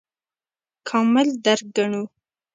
کامل درک ګڼو.